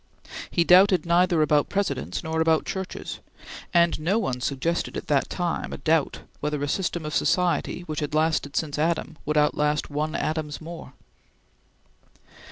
He doubted neither about Presidents nor about Churches, and no one suggested at that time a doubt whether a system of society which had lasted since Adam would outlast one Adams more.